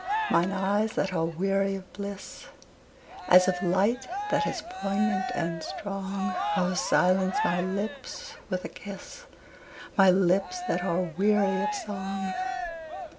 Mine eyes that are weary of bliss As of light that is poignant and strong O silence my lips with a kiss, My lips that are weary of song!